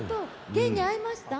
源に会えました？